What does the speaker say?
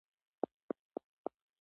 تل به د تاریخ په پاڼو کې وي.